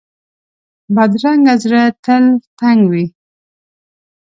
بدرنګه زړه تل تنګ وي